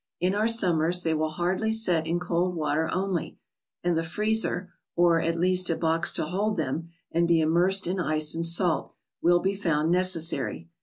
In our summers they will hardly set in cold water only, and the freezer or, at least, a box to hold them, and be immersed in ice and salt, will be found necessary.